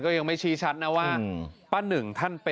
ต้องเป็นหมอป้าให้เราหมอป้าลงมาดู